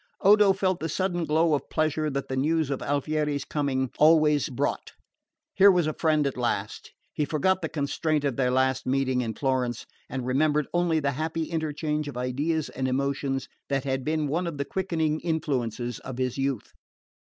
Odo felt the sudden glow of pleasure that the news of Alfieri's coming always brought. Here was a friend at last! He forgot the constraint of their last meeting in Florence, and remembered only the happy interchange of ideas and emotions that had been one of the quickening influences of his youth.